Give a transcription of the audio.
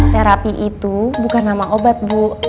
terapi itu bukan nama obat bu